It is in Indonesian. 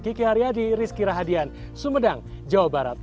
kiki haryadi rizky rahadian sumedang jawa barat